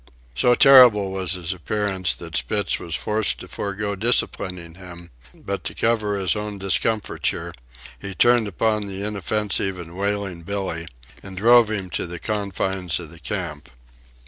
So terrible was his appearance that Spitz was forced to forego disciplining him; but to cover his own discomfiture he turned upon the inoffensive and wailing Billee and drove him to the confines of the camp.